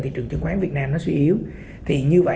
tích cực hơn